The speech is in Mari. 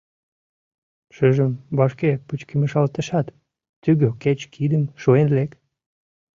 Шыжым вашке пычкемышалтешат, тӱгӧ кеч кидым шуен лек.